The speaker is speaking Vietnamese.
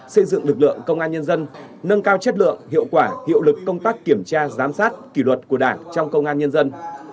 xây dựng lực lượng công an nhân dân nâng cao chất lượng hiệu quả hiệu lực công tác kiểm tra giám sát kỷ luật của đảng trong công an nhân dân